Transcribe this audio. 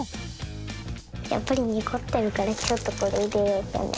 やっぱりにごってるからちょっとこれいれようかな。